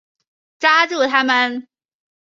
抓住他们！